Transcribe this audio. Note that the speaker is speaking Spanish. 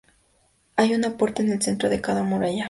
Hay una puerta en el centro de cada muralla.